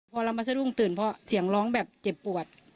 พอเรามาสะดุ้งตื่นเพราะเสียงร้องแบบเจ็บปวด